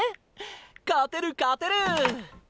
勝てる勝てる。